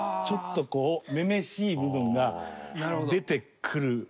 ちょっと、こう女々しい部分が出てくる。